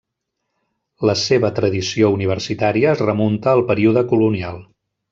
La seva tradició universitària es remunta al període colonial.